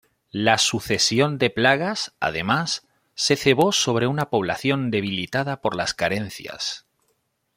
La sucesión de plagas, además, se cebó sobre una población debilitada por las carencias.